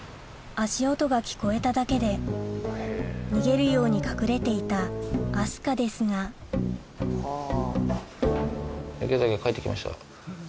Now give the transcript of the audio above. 足音が聞こえただけで逃げるように隠れていた明日香ですが池崎が帰って来ました。